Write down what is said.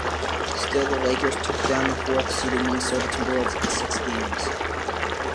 Still, the Lakers took down the fourth-seeded Minnesota Timberwolves in six games.